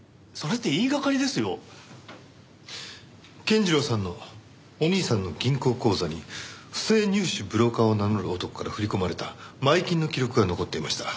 健次郎さんのお兄さんの銀行口座に不正入試ブローカーを名乗る男から振り込まれた前金の記録が残っていました。